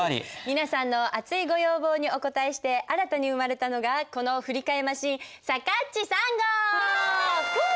皆さんの熱いご要望にお応えして新たに生まれたのがこの振り替えマシーンさかっち３号！フゥフゥ！